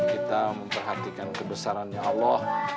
kita memperhatikan kebesarannya allah